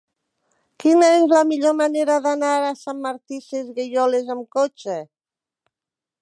Quina és la millor manera d'anar a Sant Martí Sesgueioles amb cotxe?